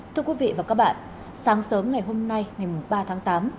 thưa quý vị và các bạn sáng sớm ngày hôm nay ngày ba tháng tám